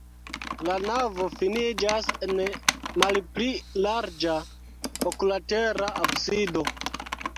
La navo finiĝas en malpli larĝa oklatera absido.